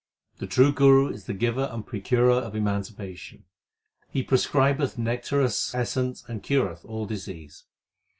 The true Guru is the giver and procurer of emancipation. He prescribeth nectareous essence and cureth all diseases.